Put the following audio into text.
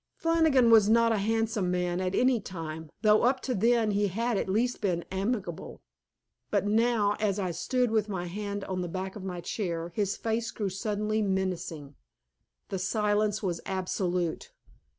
Flannigan was not a handsome man at any time, though up to then he had at least looked amiable. But now as I stood with my hand on the back of my chair, his face grew suddenly menacing. The silence was absolute.